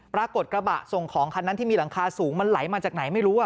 กระบะส่งของคันนั้นที่มีหลังคาสูงมันไหลมาจากไหนไม่รู้